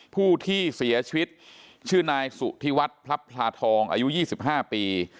ผู้ที่เสียชีวิตชื่อนายสุธิวัฒน์พลับพลาทองอายุ๒๕ปี